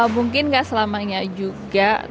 mungkin nggak selamanya juga